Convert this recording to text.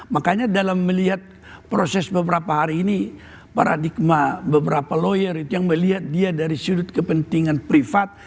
makanya dalam melihat proses beberapa hari ini paradigma beberapa lawyer itu yang melihat dia dari sudut kepentingan privat